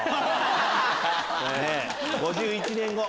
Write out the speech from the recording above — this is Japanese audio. ５１年後。